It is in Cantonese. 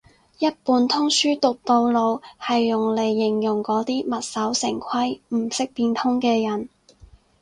一本通書讀到老係用嚟形容嗰啲墨守成規唔識變通嘅人